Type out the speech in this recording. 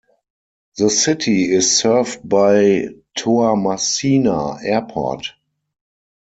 The city is served by Toamasina Airport.